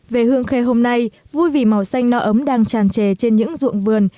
về hương khê hôm nay vui vì màu xanh no ấm đang tràn trề trên những ruộng vườn